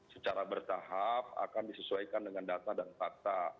secara bertahap akan disesuaikan dengan data dan fakta